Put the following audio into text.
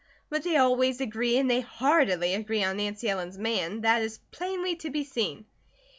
But they always agree, and they heartily agree on Nancy Ellen's man, that is plainly to be seen."